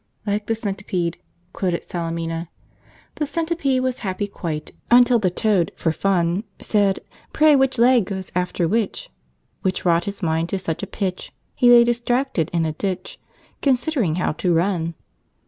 "Like the centipede," quoted Salemina: "'The centipede was happy quite Until the toad, for fun, Said, "Pray, which leg goes after which?" Which wrought his mind to such a pitch, He lay distracted in a ditch Considering how to run!'"